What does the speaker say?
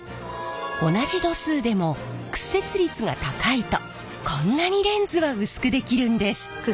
同じ度数でも屈折率が高いとこんなにレンズは薄くできるんです。